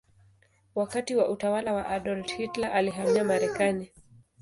Wakati wa utawala wa Adolf Hitler alihamia Marekani.